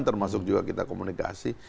termasuk juga kita komunikasi